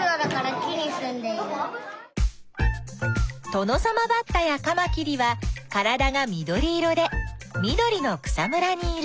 トノサマバッタやカマキリはからだが緑色で緑の草むらにいる。